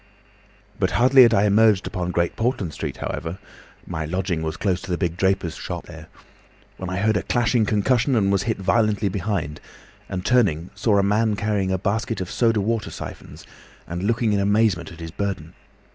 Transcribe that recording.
"But hardly had I emerged upon Great Portland Street, however (my lodging was close to the big draper's shop there), when I heard a clashing concussion and was hit violently behind, and turning saw a man carrying a basket of soda water syphons, and looking in amazement at his burden.